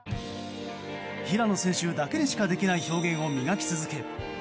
平野選手だけにしかできない表現を磨き続け